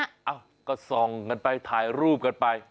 เอ้าก็ส่องกันไปถ่ายรูปกันไป